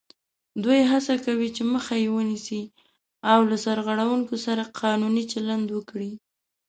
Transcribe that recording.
دوی هڅه کوي چې مخه یې ونیسي او له سرغړوونکو سره قانوني چلند وکړي